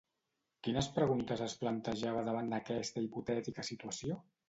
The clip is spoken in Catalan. Quines preguntes es plantejava davant d'aquesta hipotètica situació?